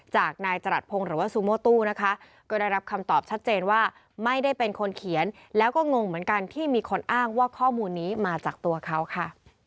จากนายจรัสพงศ์หรือว่าซูโมตู้นะคะก็ได้รับคำตอบชัดเจนว่าไม่ได้เป็นคนเขียนแล้วก็งงเหมือนกันที่มีคนอ้างว่าข้อมูลนี้มาจากตัวเขาค่ะ